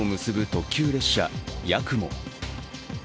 特急列車やくも。